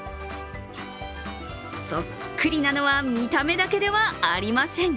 そっくりなのは見た目だけではありません。